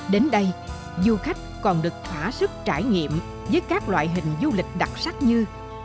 đến đây du khách còn được thỏa sức trải nghiệm với các loại hình du lịch đặc sắc như